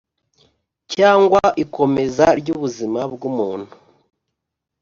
Cyangwa ikomeza ry ubuzima bw umuntu